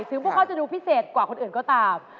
พวกเขาจะดูพิเศษกว่าคนอื่นก็ตาม